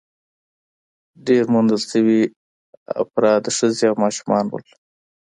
ډېری موندل شوي افراد ښځې او ماشومان وو.